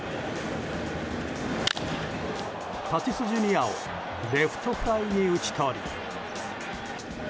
タティス・ジュニアをレフトフライに打ち取り。